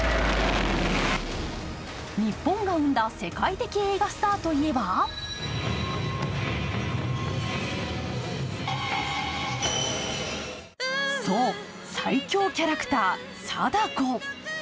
日本が生んだ世界的映画スターといえばそう、最凶キャラクター・貞子。